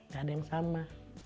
nggak ada yang sama